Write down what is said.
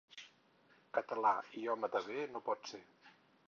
Català i home de bé no pot ser.